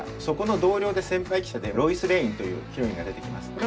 そこの同僚で先輩記者でロイス・レインというヒロインが出てきます。